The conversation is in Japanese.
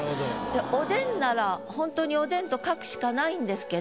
おでんならほんとに「おでん」と書くしかないんですけど。